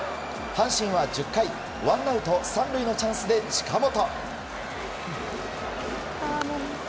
阪神は１０回ワンアウト３塁のチャンスで近本。